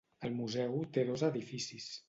El museu té dos edificis.